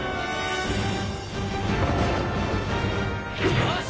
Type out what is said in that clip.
よし！